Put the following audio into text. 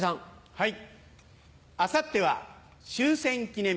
はい。